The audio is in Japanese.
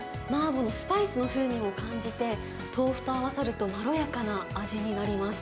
麻婆のスパイスの風味も感じて、豆腐と合わさるとまろやかな味になります。